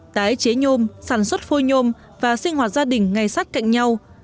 tái chế nhôm sản xuất phôi nhôm và sinh hoạt gia đình ngay sát cạnh nhau